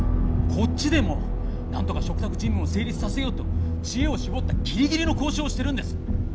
こっちでもなんとか嘱託尋問を成立させようと知恵を絞ったギリギリの交渉をしてるんです！